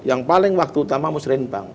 yang paling waktu utama muslim bank